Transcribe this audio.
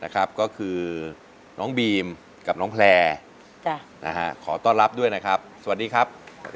ก็คือน้องบีมกับน้องแพลขอต้อนรับด้วยนะครับสวัสดีครับ